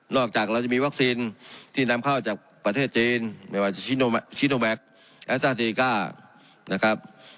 นอกจากเราจะมีวัคซีนที่นำเข้าจากประเทศจีนไม่ว่าชีโนแวคแอซาเทรกา